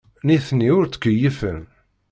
Nitni ur ttkeyyifen.